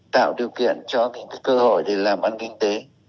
tạo điều kiện cho mình cái cơ hội để làm ăn kinh tế